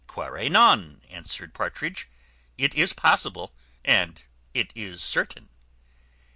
"Quare non?" answered Partridge, "it is possible, and it is certain."